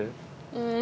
うん。